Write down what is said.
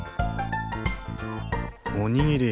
おにぎり！